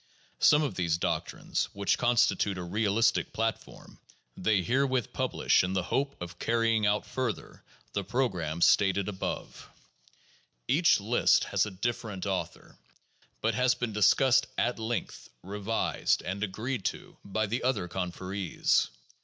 Some of these doctrines, which constitute a realistic platform, they herewith publish in the hope of carrying out further the program stated above. Each list has a dif 393 394 THE JOURNAL OF PHILOSOPHY ferent author, but has been discussed at length, revised, and agreed to by the other conferees.